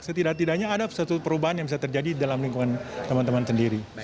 setidak tidaknya ada suatu perubahan yang bisa terjadi dalam lingkungan teman teman sendiri